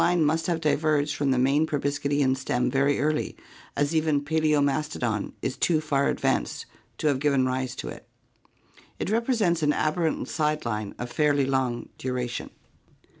luie must have di verged from the main proboscidean stem very early, as even Pdaimiastodon is too far advanced to have given rise to it. It represents an aberrant side line of fairly long duration.